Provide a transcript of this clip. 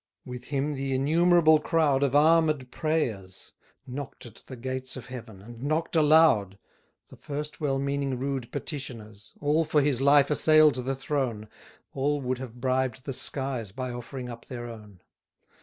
With him the innumerable crowd Of armed prayers Knock'd at the gates of Heaven, and knock'd aloud; The first well meaning rude petitioners, All for his life assail'd the throne, All would have bribed the skies by offering up their own.